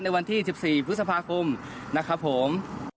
วันที่๑๔พฤษภาคมนะครับผม